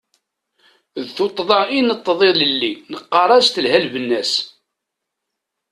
D tuṭṭḍa i nteṭṭeḍ ilili, neqqar-as telha lbenna-s.